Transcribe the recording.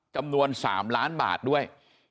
จำนวน๓ล้านบาทด้วย